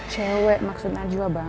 cewek maksud najwa bang